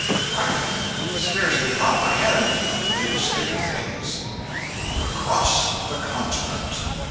I can scarcely comprehend the new state of things: "ACROSS THE CONTINENT.